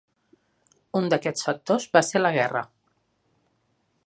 Un d'aquests factors va ser la guerra.